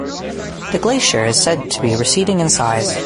The glacier is said to be receding in size.